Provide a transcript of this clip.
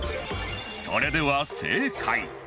それでは正解